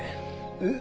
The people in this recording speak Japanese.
えっ？